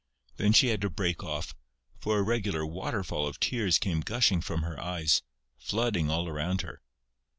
Then she had to break off, for a regular waterfall of tears came gushing from her eyes, flooding all around her.